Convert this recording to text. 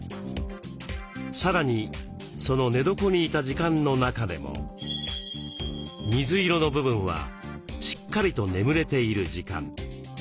さらにその寝床にいた時間の中でも水色の部分はしっかりと眠れている時間。